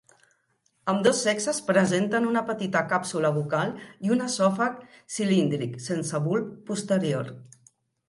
Ambdós sexes presenten una petita càpsula bucal i un esòfag cilíndric sense bulb posterior.